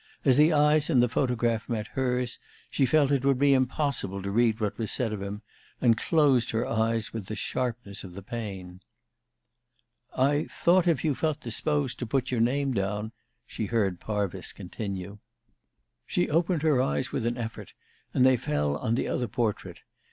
As the eyes in the photograph met hers, she felt it would be impossible to read what was said of him, and closed her lids with the sharpness of the pain. "I thought if you felt disposed to put your name down " she heard Parvis continue. She opened her eyes with an effort, and they fell on the other portrait.